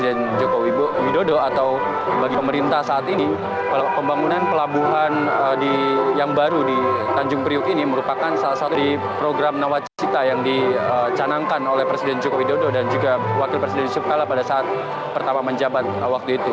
di mana saat ini pembangunan pelabuhan yang baru di tanjung priok ini merupakan salah satu program nawacita yang dicanangkan oleh presiden joko widodo dan juga wakil presiden supala pada saat pertama menjabat waktu itu